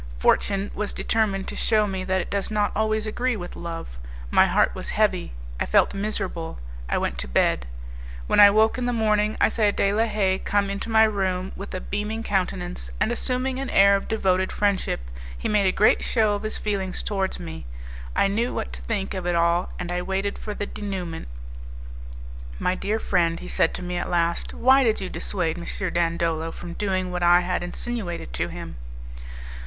Fortune was determined to shew me that it does not always agree with love. My heart was heavy, I felt miserable; I went to bed. When I woke in the morning, I saw De la Haye come into my room with a beaming countenance, and, assuming an air of devoted friendship, he made a great show of his feelings towards me. I knew what to think of it all, and I waited for the 'denouement'. "My dear friend," he said to me at last, "why did you dissuade M. Dandolo from doing what I had insinuated to him?"